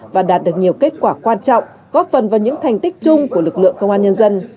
và đạt được nhiều kết quả quan trọng góp phần vào những thành tích chung của lực lượng công an nhân dân